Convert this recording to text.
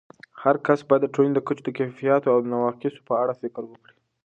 هرکس باید د ټولنې د کچو د کیفیاتو او نواقصو په اړه فکر وکړي.